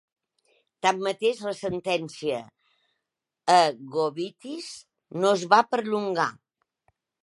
Tanmateix, la sentència a "Gobitis" no es va perllongar.